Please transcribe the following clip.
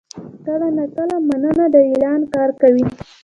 کله ناکله «مننه» د اعلان کار کوي.